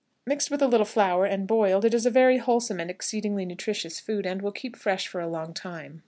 Mixed with a little flour and boiled, it is a very wholesome and exceedingly nutritious food, and will keep fresh for a long time.